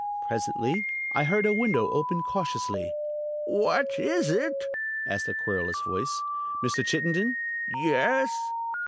Presently I heard a window open cautiously. "What is it?" asked a querulous voice. "Mr. Chittenden?" "Yes."